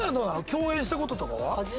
共演した事とかは？